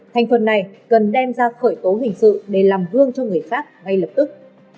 thành phần này cần đem ra khởi tố hình sự để làm gương cho người khác ngay lập tức